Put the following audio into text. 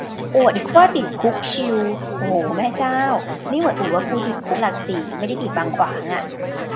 อวดอีกว่าติดคุกชิล โหแม่เจ้า นี่เหมือนอวดว่ากูติดคุกหลักสี่ไม่ได้ติดบางขวางอะ